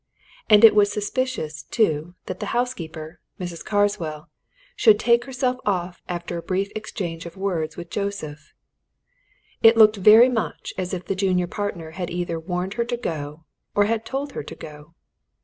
And it was suspicious, too, that the housekeeper, Mrs. Carswell, should take herself off after a brief exchange of words with Joseph. It looked very much as if the junior partner had either warned her to go, or had told her to go.